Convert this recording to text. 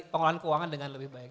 pengelolaan keuangan dengan lebih baik